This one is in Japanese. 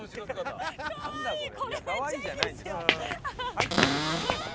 入っちゃってるでしょ。